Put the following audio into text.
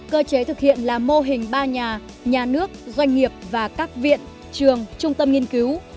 cơ chế thực hiện là mô hình ba nhà nhà nước doanh nghiệp và các viện trường trung tâm nghiên cứu